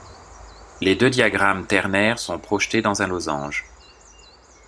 Les deux diagrammes ternaires sont projetés dans un losange.